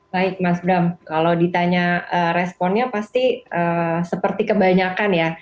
baik mas bram kalau ditanya responnya pasti seperti kebanyakan ya